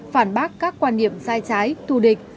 phản bác các quan điểm sai trái thù địch